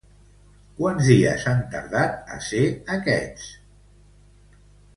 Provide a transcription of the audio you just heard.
Quants dies han tardat a ser aquests?